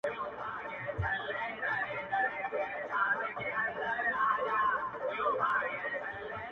د مرگي تال د ژوندون سُر چي په لاسونو کي دی!!